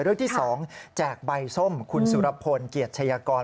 เรื่องที่๒แจกใบส้มคุณสุรพลเกียรติชายกร